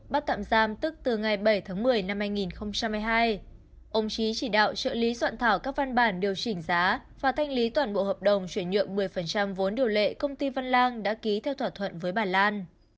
bắt tạm giam tức từ ngày bảy tháng một mươi năm hai nghìn hai mươi hai ông trí chỉ đạo trợ lý soạn thảo các văn bản điều chỉnh giá và thanh lý toàn bộ hợp đồng chuyển nhượng một mươi vốn điều lệ công ty văn lang đã ký theo thỏa thuận với bà lan